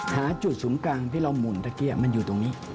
หาจุ่มสูงกลางที่เรามุนเมื่อกี้มันอยู่ตรงนี้